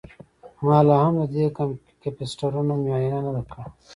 ما لاهم د دې کیپیسټرونو معاینه نه ده کړې